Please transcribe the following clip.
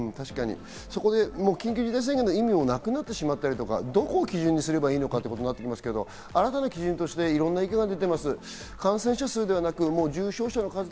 緊急事態宣言の意味がなくなってしまったりとか、どこを基準にすればいいかとなってきますけど新たな基準としていろんな意見が出ています。